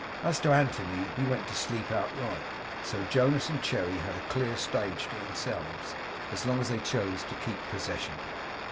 As to Anthony, he went to sleep outright, so Jonas and Cherry had a clear stage to themselves as long as they chose to keep possession of it.